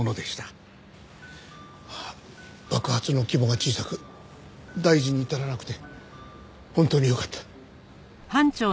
爆発の規模が小さく大事に至らなくて本当によかった。